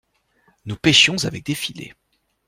Nous pêchions avec des filets.